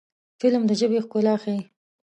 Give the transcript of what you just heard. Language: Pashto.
فلم د ژبې ښکلا ښيي